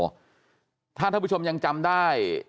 ถ้าท่านผู้ชมยังจำได้